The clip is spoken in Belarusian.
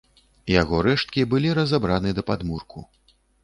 Яго рэшткі былі разабраны да падмурку.